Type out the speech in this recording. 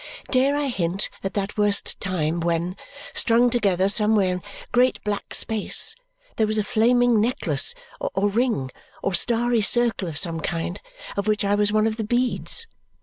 Dare I hint at that worse time when, strung together somewhere in great black space, there was a flaming necklace, or ring, or starry circle of some kind, of which I was one of the beads!